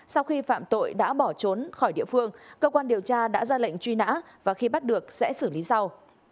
sau khi phạm tội đã bỏ trốn khỏi địa phương cơ quan điều tra đã ra lệnh truy nã và khi bắt được sẽ xử lý sau